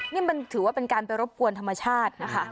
นี่มันถือว่าเป็นการไปรบกวนธรรมชาตินะคะ